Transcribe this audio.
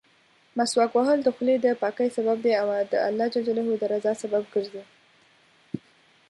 مسواک وهل د خولې دپاکۍسبب دی او د الله جل جلاله درضا سبب ګرځي.